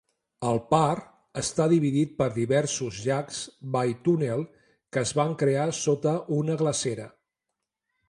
El par està dividit per diversos llacs vall túnel, que es van crear sota una glacera.